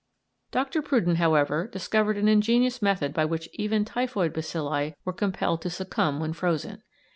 Dr. Prudden, however, discovered an ingenious method by which even typhoid bacilli were compelled to succumb when frozen.